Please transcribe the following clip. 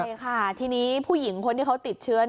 ใช่ค่ะทีนี้ผู้หญิงคนที่เขาติดเชื้อ